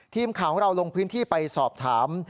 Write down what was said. ทีมข่าวของเราลงพื้นที่ไปสอบถาม